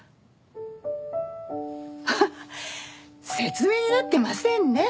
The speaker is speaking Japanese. フフッ説明になってませんね。